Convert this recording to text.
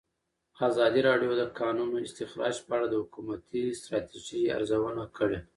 ازادي راډیو د د کانونو استخراج په اړه د حکومتي ستراتیژۍ ارزونه کړې.